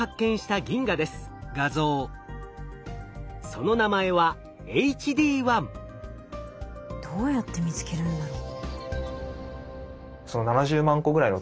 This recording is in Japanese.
その名前はどうやって見つけるんだろう？